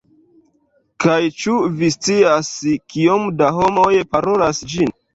Kaj ĉu vi scias kiom da homoj parolas ĝin?